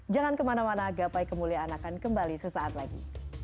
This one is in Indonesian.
jangan kemana mana gapai kemuliaan akan kembali sesaat lagi